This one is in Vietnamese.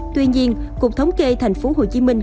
tuy nhiên cục thống kê tp hồ chí minh